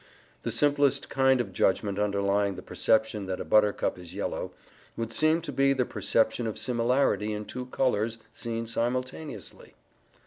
The simplest kind of judgment underlying the perception that a buttercup is yellow would seem to be the perception of similarity in two colours seen simultaneously.